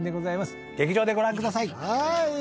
劇場でご覧ください。